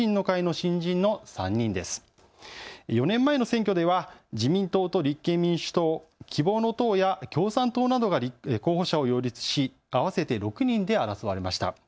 ４年前の選挙では自民党と立憲民主党、希望の党や共産党などが候補者を擁立し、合わせて６人で争われました。